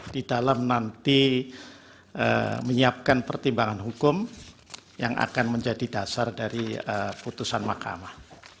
di dalam nanti menyiapkan pertimbangan hukum yang akan menjadi dasar dari putusan mahkamah